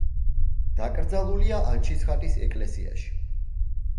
დაკრძალულია ანჩისხატის ეკლესიაში.